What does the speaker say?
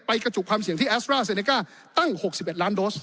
ไปกระจุคความเสี่ยงที่แอสเตอร์และเซเนคาตั้งหกสิบเอ็ดล้านโดส